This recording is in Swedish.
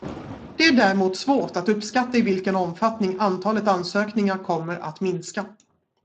Det är däremot svårt att uppskatta i vilken omfattning antalet ansökningar kommer att minska.